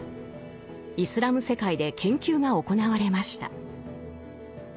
イスラム世界で研究が行われました。